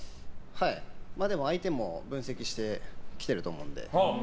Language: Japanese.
はい、でも相手も分析してきてると思うので。